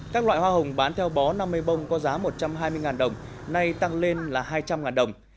các loại hoa hồng bán theo bó năm mươi bông có giá một trăm hai mươi đồng nay tăng lên là hai trăm linh đồng